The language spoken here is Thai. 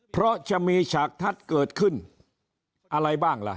เพราะจะมีฉากทัศน์เกิดขึ้นอะไรบ้างล่ะ